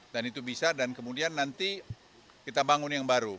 dan itu bisa dan kemudian nanti kita bangun yang baru